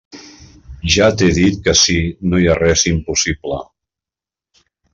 Ja t'he dit que ací no hi ha res impossible.